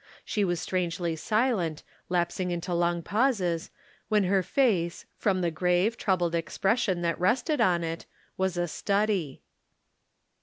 She was strangely silent, lapsing into long pauses, when her face, from the grave, troubled expres sion that rested on it, was a study.